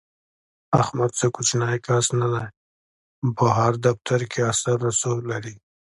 احمد څه کوچنی کس نه دی، په هر دفتر کې اثر رسوخ لري.